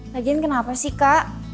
lagian kenapa sih kak